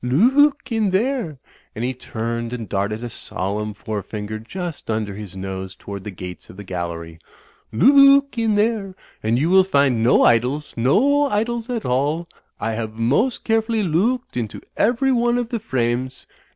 Loo ook in there," and he turned and darted a solemn forefinger just imder his nose toward the gates of the gallery; "Loo ook in there and you will find no Idols. No Idols at all. I have most carefully loo ooked into every one of the frames.